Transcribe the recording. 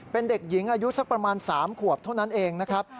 เป็นเด็กหญิงอายุสักประมาณ๓ขวบเท่านั้นเองนะครับ